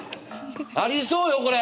ありそうよこれ！